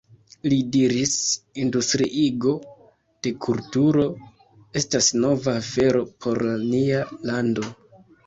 Li diris: Industriigo de kulturo estas nova afero por nia lando.